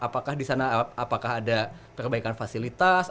apakah di sana apakah ada perbaikan fasilitas